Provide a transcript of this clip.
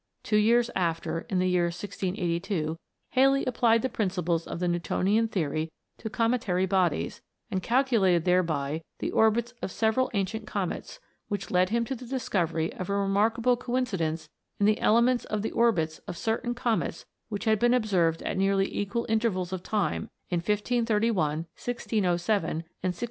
Two years after, in the year 1682, Halley applied the principles of the New tonian theory to cometary bodies, and calculated thereby the orbits of several ancient comets, which led him to the discovery of a remarkable coincidence in the elements of the orbits of certain comets which had been observed at nearly equal intervals of time in 1531, 1607, and 1682.